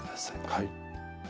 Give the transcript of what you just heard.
はい。